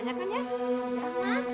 cepat lagi dihantar semuanya kan ya